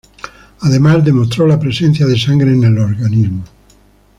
Además demostró la presencia de sangre en el organismo.